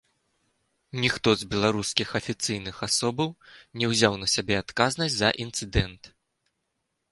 Ніхто з беларускіх афіцыйных асобаў не ўзяў на сябе адказнасць за інцыдэнт.